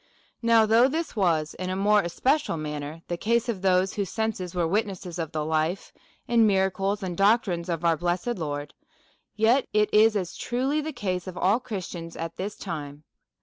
Now, though this was in a more especial manner the case of those whose senses were witnesses of the life, and miracles, and doctrines of our blessed Lord ; yet it is truly the case of all Christians at this time.